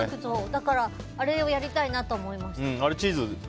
だから、あれをやりたいなと思いました。